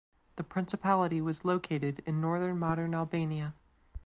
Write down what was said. The principality was located in northern modern Albania.